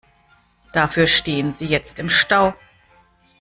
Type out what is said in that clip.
Dafür stehen sie jetzt im Stau.